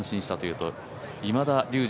今田竜二